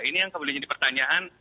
ini yang kemudian jadi pertanyaan